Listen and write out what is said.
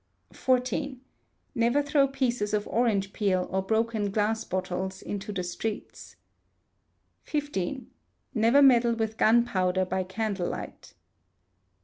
xiv. Never throw pieces of orange peel, or broken glass bottles, into the streets. xv. Never meddle with gunpowder by candle light.